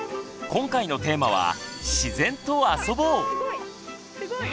今回のテーマは「自然とあそぼう！」。